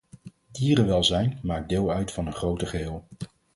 Dierenwelzijn maakt deel uit van een groter geheel.